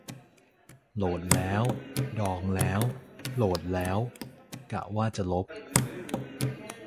โหลดแล้ว ดองแล้ว โหลดแล้ว กะว่าจะลบ